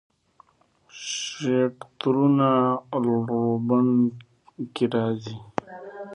شرکتونه روباټونه روزي.